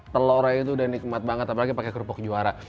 telurnya itu udah nikmat banget apalagi pakai kerupuk juara